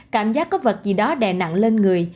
cảm giác có vật gì đó đè nặng lên người